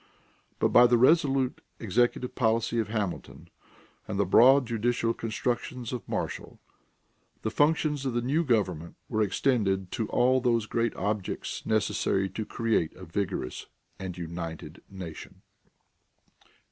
But by the resolute executive policy of Hamilton and the broad judicial constructions of Marshall, the functions of the new government were extended to all those great objects necessary to create a vigorous and united nation.